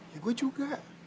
ya gue juga